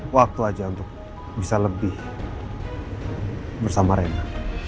waktu aja untuk bisa lebih bersama rena